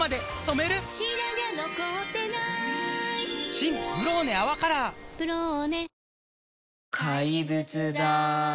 新「ブローネ泡カラー」「ブローネ」